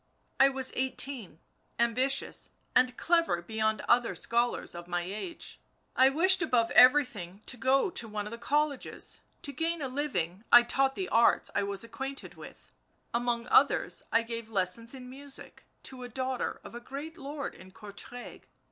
I was eighteen, ambitious and clever beyond other scholars of my age. I wished above everything to go to one of the colleges. ... To gain a living I taught the arts I was acquainted with, among others I gave lessons in music to the daughter of a great lord in Courtrai ...